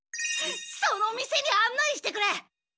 そのお店に案内してくれ！